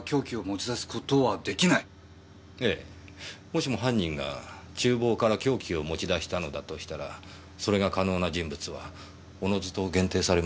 もしも犯人が厨房から凶器を持ち出したのだとしたらそれが可能な人物はおのずと限定されますね。